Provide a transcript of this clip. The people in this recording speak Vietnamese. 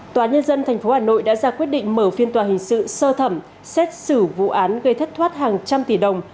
tòa nhân dân tp hà nội đã ra quyết định mở phiên tòa hình sự sơ thẩm xét xử vụ án gây thất thoát hàng trăm tỷ đồng